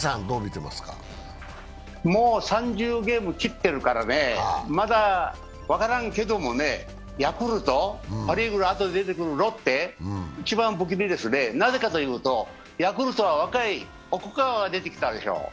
もう３０ゲーム切ってるからね、まだ分からんけどもね、ヤクルト、パ・リーグで出てくるロッテ、一番不気味ですね、なぜかというとヤクルトは若い奥川が出てきたでしょう。